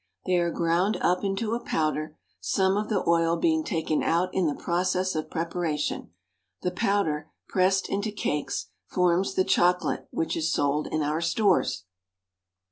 They are ground up into a powder, some of the oil being taken out in the process of preparation. The powder, pressed into cakes, forms the chocolate which is sold in our stores.